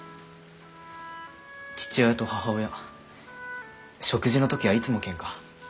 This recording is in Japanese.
父親と母親食事の時はいつもケンカ。